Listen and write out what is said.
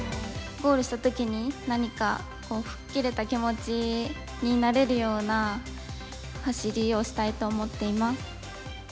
ゴールしたときに、何か吹っ切れた気持ちになれるような走りをしたいと思っています。